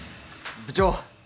部長。